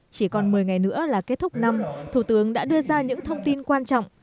chỉ còn một mươi ngày nữa là kết thúc năm thủ tướng đã đưa ra những thông tin quan trọng